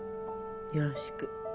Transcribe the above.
よろしく。